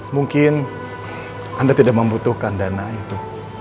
mungkin anda tidak membutuhkan dana itu